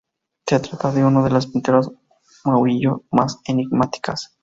Se trata de una de las pinturas de Murillo más enigmáticas.